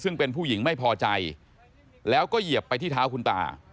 ซึ่งเป็นผู้หญิงไม่พอใจแล้วก็เหยียบไปที่เท้าคุณตา